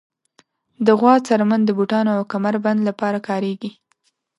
د غوا څرمن د بوټانو او کمر بند لپاره کارېږي.